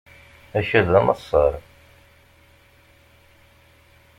Akal d amassaṛ.